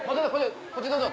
こっちどうぞ。